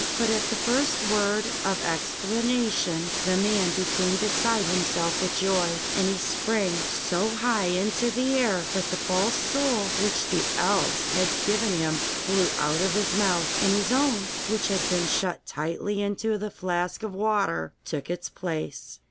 But at the first word of explanation the man became beside himself with joy, and he sprang so high into the air that the false soul which the elves had given him flew out of his mouth, and his own, which had been shut tightly into the flask of water, took its place.